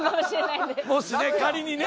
もしね仮にね。